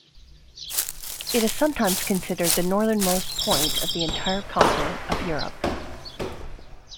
It is sometimes considered the northernmost point of the entire continent of Europe.